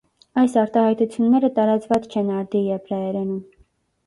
Այս արտահայտությունները տարածված չեն արդի եբրայերենում։